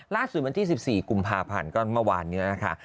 ล่าสุดวันที่๑๔กุมภาพันธ์ก็เมื่อวานนี้นะคะ